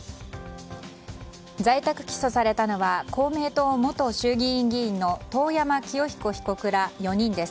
在宅起訴されたのは公明党元衆議院議員の遠山清彦被告ら４人です。